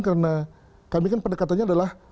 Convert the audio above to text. karena kami kan pendekatannya adalah